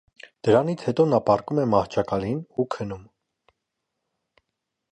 Դրանից հետո նա պառկում է մահճակալին ու քնում։